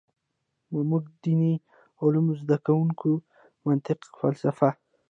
زمونږ ديني علم زده کوونکي منطق ، فلسفه ،